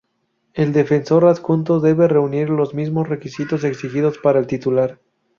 El Defensor Adjunto debe reunir los mismos requisitos exigidos para el titular.